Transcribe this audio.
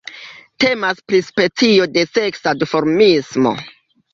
Temas pri specio de seksa duformismo.